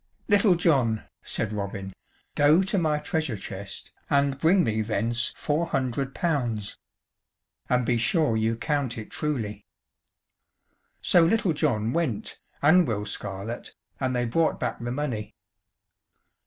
"Little John," said Robin, "go to my treasure chest, and bring me thence four hundred pounds. And be sure you count it truly." So Little John went, and Will Scarlett, and they brought back the money.